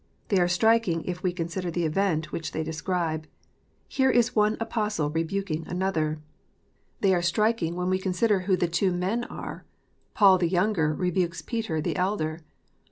They are striking, if we consider the event which they describe : here is one Apostle rebuking another ! They are striking, when we consider who the two men are : Paul, the younger, rebukes Peter, the elder !